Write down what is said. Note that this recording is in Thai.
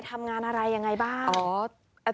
ทำงานอะไรยังไงบ้าง